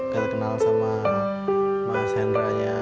terkenal sama mahendranya